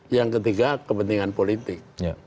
yang ketiga kepentingan politik